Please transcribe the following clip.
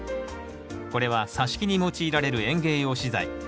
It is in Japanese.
これはさし木に用いられる園芸用資材。